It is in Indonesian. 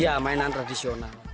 iya mainan tradisional